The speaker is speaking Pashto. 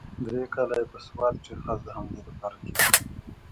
درې کاله يې په سوات کښې خاص د همدې دپاره تېر کړي.